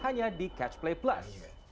serta juga di catch play plus